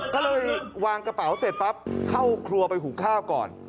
ก็เลยวางกระเป๋าเสร็จปั๊บเข้าครัวไปหุงข้าวก่อน